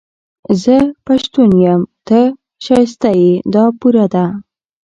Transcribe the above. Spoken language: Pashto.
زه پښتون يم، ته ښايسته يې، دا پوره ده